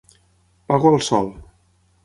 Pago al sol.